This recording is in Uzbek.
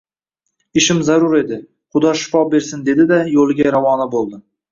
Ishim zarur edi, Xudo shifo bersin, – dedi-da yoʻliga ravona boʻldi.